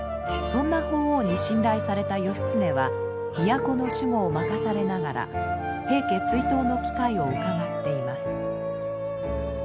そんな法皇に信頼された義経は都の守護を任されながら平家追討の機会をうかがっています。